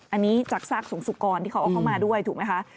อันนี้จากซากสงสุกรที่เขาเอาเข้ามาด้วยถูกไหมคะ